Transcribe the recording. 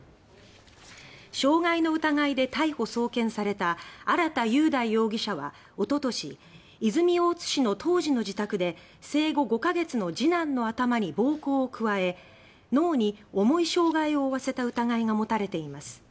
傷害の疑いで逮捕・送検された荒田佑大容疑者はおととし泉大津市の当時の自宅で生後５か月の次男の頭に暴行を加え脳に重い傷害を負わせた疑いが持たれています。